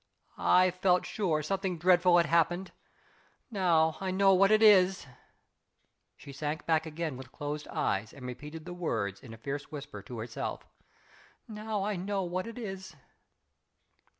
I felt sure something dreadful had happened. Now I know what it is!" She sank back again, with closed eyes, and repeated the words, in a fierce whisper, to herself. "Now I know what it is!"